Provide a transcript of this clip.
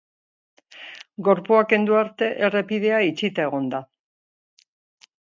Gorpua kendu arte errepidea itxita egon da.